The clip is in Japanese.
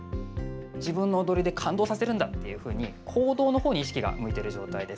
自分の踊りで感動させるんだと行動のほうに意識が向いている状態です。